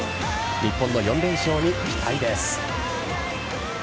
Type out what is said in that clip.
日本の４連勝に期待です。